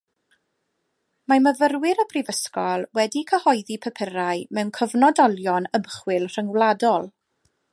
Mae myfyrwyr y Brifysgol wedi cyhoeddi papurau mewn cyfnodolion ymchwil rhyngwladol.